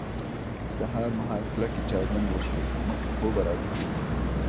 سهار مهال کلکې چاودنې وشوې او موږ له خوبه راویښ شوو